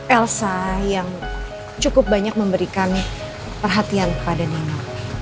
elsa yang cukup banyak memberikan perhatian kepada nino